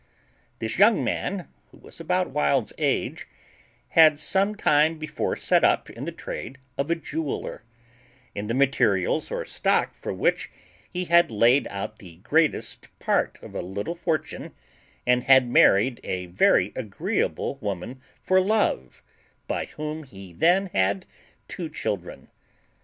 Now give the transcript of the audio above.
This young man, who was about Wild's age, had some time before set up in the trade of a jeweller, in the materials or stock for which he had laid out the greatest part of a little fortune, and had married a very agreeable woman for love, by whom he then had two children.